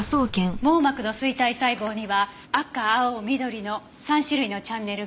網膜の錐体細胞には赤青緑の３種類のチャンネルがある。